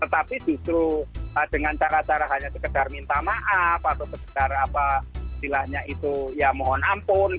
tetapi justru dengan cara cara hanya sekedar minta maaf atau sekedar apa istilahnya itu ya mohon ampun